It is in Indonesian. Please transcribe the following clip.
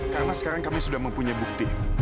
karena sekarang kami sudah mempunyai bukti